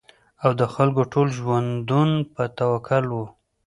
او د خلکو ټول ژوندون په توکل وو